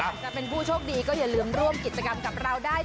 จะเป็นผู้โชคดีก็อย่าลืมร่วมกิจกรรมกับเราได้